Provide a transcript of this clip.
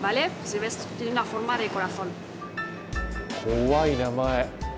怖い名前。